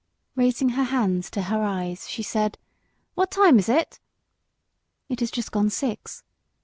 Raising her hands to her eyes she said "What time is it?" "It has just gone six."